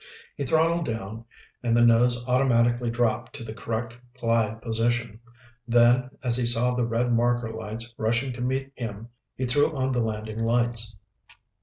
He throttled down and the nose automatically dropped to the correct glide position. Then, as he saw the red marker lights rushing to meet him, he threw on the landing lights.